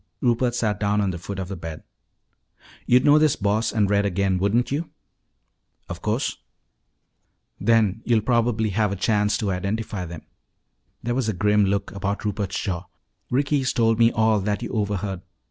Rupert sat down on the foot of the bed. "You'd know this Boss and Red again, wouldn't you?" "Of course." "Then you'll probably have a chance to identify them." There was a grim look about Rupert's jaw. "Ricky's told me all that you overheard.